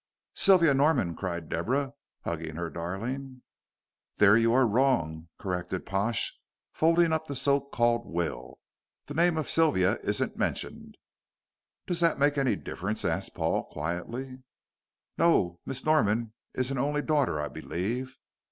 "Sylvia Norman!" cried Deborah, hugging her darling. "There you are wrong," corrected Pash, folding up the so called will, "the name of Sylvia isn't mentioned." "Does that make any difference?" asked Paul, quietly. "No. Miss Norman is an only daughter, I believe."